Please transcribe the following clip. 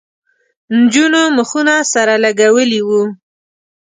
نجونو مخونه سره لگولي وو.